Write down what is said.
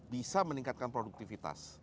bisa meningkatkan produktivitas